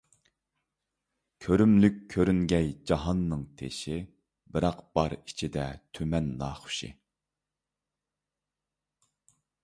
كۆرۈملۈك كۆرۈنگەي جاھاننىڭ تېشى، بىراق بار ئىچىدە تۈمەن ناخۇشى.